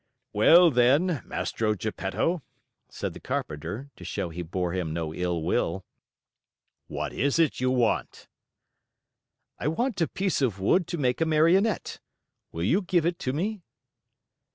"Well then, Mastro Geppetto," said the carpenter, to show he bore him no ill will, "what is it you want?" "I want a piece of wood to make a Marionette. Will you give it to me?"